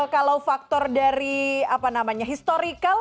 kalau faktor dari apa namanya historikal